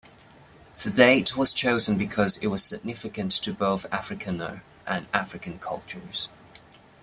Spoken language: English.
The date was chosen because it was significant to both Afrikaner and African cultures.